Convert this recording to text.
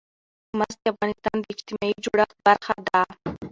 مس د افغانستان د اجتماعي جوړښت برخه ده.